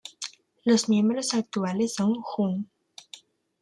Los miembros actuales son Jun.